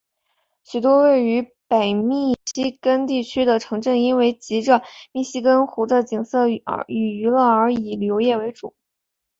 许多位于北密西根地区的城镇因为藉着密西根湖的景色与娱乐而以旅游业为主。